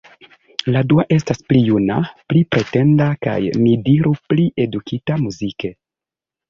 La dua estas pli juna, pli pretenda kaj, mi diru, pli edukita muzike.